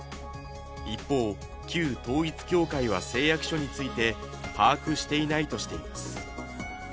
一方、旧統一教会は誓約書について把握していないとしています。